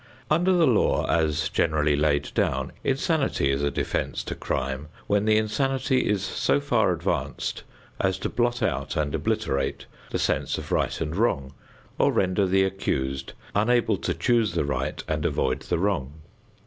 Under the law as generally laid down, insanity is a defense to crime when the insanity is so far advanced as to blot out and obliterate the sense of right and wrong or render the accused unable to choose the right and avoid the wrong.